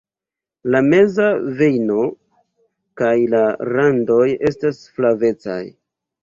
La meza vejno kaj la randoj estas flavecaj.